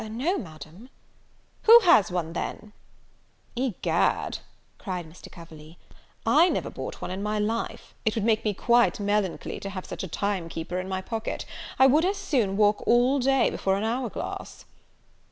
no, Madam." "Who has one, then?" "Egad," cried Mr. Coverley, "I never bought one in my life; it would make me quite melancholy to have such a time keeper in my pocket. I would as soon walk all day before an hour glass."